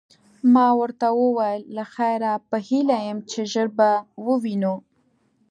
ما ورته وویل: له خیره، په هیله یم چي ژر به ووینو.